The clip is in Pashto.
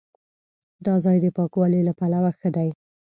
دا ځای د پاکوالي له پلوه ښه دی.